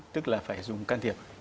tức là phải dùng can thiệp